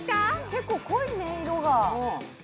結構濃いね、色が。